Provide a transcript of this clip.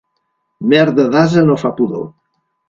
Merda d'ase no fa pudor.